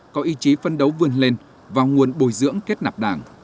có ý chí phân đấu vươn lên vào nguồn bồi dưỡng kết nạp đảng